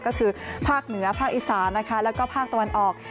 ก็คือภาคเหนือภาคอีสานนะคะแล้วก็ภาคตะวันออก